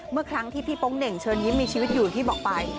เมื่อครั้งที่พี่โป๊งเหน่งเชิญยิ้มมีชีวิตอยู่ที่บอกไป